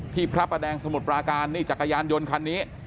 พระประแดงสมุทรปราการนี่จักรยานยนต์คันนี้